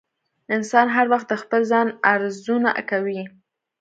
انسان هر وخت د خپل ځان ارزونه کوي.